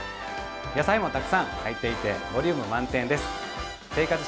野菜もたくさん入っていてボリューム満点です。